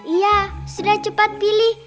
iya sudah cepat pilih